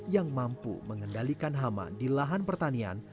yang mampu mengendalikan hama di lahan pertanian